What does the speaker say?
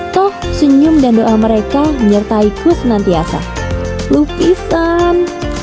toh senyum dan doa mereka menyertai kus nantiasa lupisan